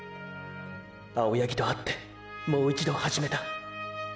青八木と会ってもう一度はじめた。